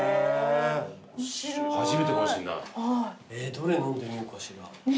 どれ飲んでみようかしら。